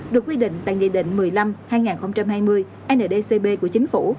được quy định tại nghị định một mươi năm hai nghìn hai mươi ndcb của chính phủ